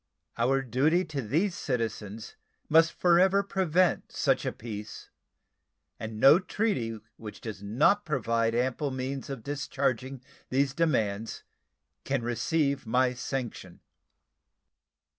Our duty to these citizens must forever prevent such a peace, and no treaty which does not provide ample means of discharging these demands can receive my sanction.